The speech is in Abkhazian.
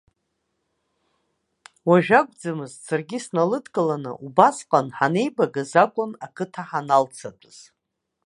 Уажәы акәӡамызт, саргьы сналыдкыланы, убасҟан, ҳанеибагаз акәын ақыҭа ҳаналцатәыз.